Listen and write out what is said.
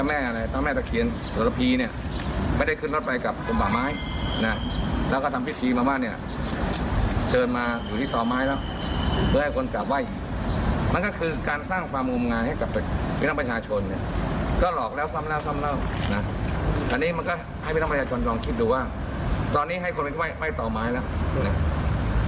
อันนี้มันก็ให้วิทยาลัยกรลองคิดดูว่าตอนนี้ให้คนไว้ต่อไม้แล้ว